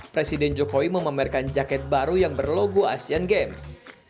presiden jokowi memamerkan jaket baru yang berlogo asean games